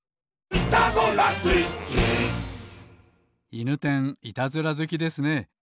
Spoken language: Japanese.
いぬてんいたずらずきですね。